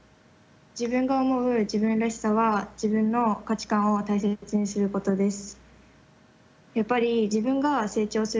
自分が思う自分らしさは「自分の価値観を大切にすること」です。